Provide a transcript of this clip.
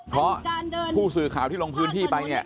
เพราะผู้สื่อข่าวที่ลงพื้นที่ไปเนี่ย